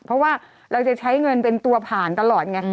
เพราะว่าเราจะใช้เงินเป็นตัวผ่านตลอดไง